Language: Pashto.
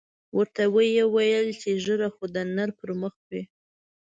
ورته ویې ویل چې ږیره خو د نر پر مخ وي.